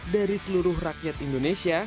dari seluruh rakyat indonesia